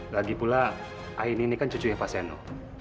lagipula aini ini kan cucunya pak seno